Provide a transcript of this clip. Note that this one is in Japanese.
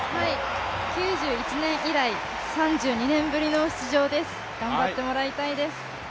９１年以来、３２年ぶりの出場です、頑張ってもらいたいです。